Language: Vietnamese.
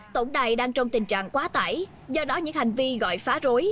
tổng đài đang trong tình trạng quá tải do đó những hành vi gọi phá rối